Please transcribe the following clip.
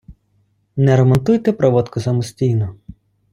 Не ремонтуйте проводку самостійно.